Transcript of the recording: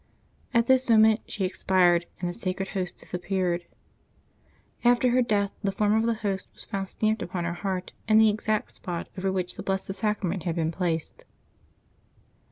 At this moment she expired, and the Sacred Host disappeared. After her death the form of the Host was found stamped upon her heart in the exact spot over which the Blessed Sacrament had been placed.